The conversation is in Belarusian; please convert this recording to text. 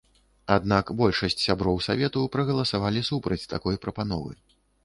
Аднак большасць сяброў савету прагаласавалі супраць такой прапановы.